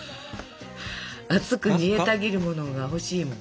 熱く煮えたぎるものが欲しいもん。